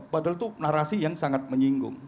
padahal itu narasi yang sangat menyinggung